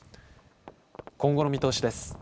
今後の見通しです。